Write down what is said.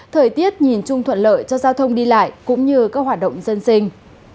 thời tiết nhìn chung thuận lợi cho giao thông đi lại cũng như các hoạt động dân sinh